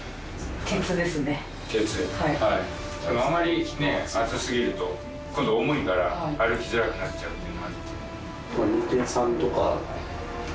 でもあまりね厚すぎると今度重いから歩きづらくなっちゃうっていう。